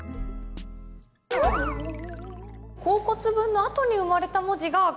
甲骨文のあとに生まれた文字がこちらです。